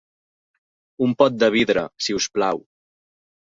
Un pot de vidre, si us plau.